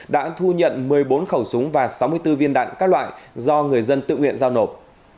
đã thu nhận một mươi bốn khẩu súng và sáu mươi bốn viên đạn các loại do người dân tự nguyện giao nộp